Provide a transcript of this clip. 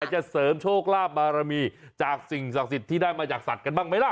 จะเสริมโชคลาภบารมีจากสิ่งศักดิ์สิทธิ์ที่ได้มาจากสัตว์กันบ้างไหมล่ะ